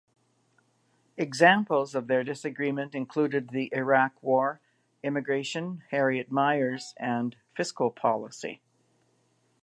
Examples of their disagreement included the Iraq War, immigration, Harriet Miers and fiscal policy.